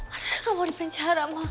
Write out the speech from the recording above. adriana gak mau dipencara ma